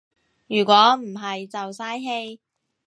如果唔係就嘥氣